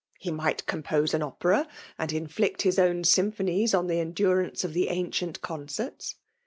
He might compose an a|ieffa» nnd inflict his own symphonies on the endnranee of the Ancient Coneerts.